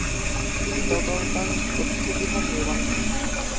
তিনি দ্গা'-ল্দান বৌদ্ধবিহার নির্মাণ করেন।